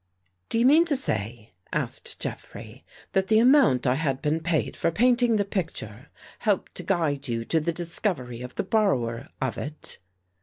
" Do you mean to say," asked Jeffrey, '' that the amount I had been paid for painting the picture, helped to guide you to the discovery of the borrower of it?"